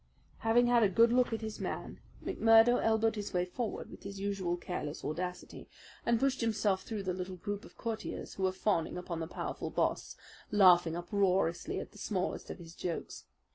Having had a good look at his man, McMurdo elbowed his way forward with his usual careless audacity, and pushed himself through the little group of courtiers who were fawning upon the powerful boss, laughing uproariously at the smallest of his jokes.